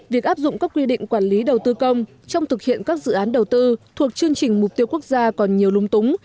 việc áp dụng các quy định quản lý đầu tư công trong thực hiện các dự án đầu tư thuộc chương trình mục tiêu quốc gia còn nhiều lung túng